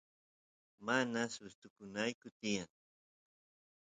mana sustukunayku tiyan